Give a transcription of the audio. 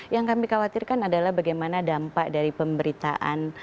yang kami khawatirkan adalah bagaimana dampak dari pemberitaan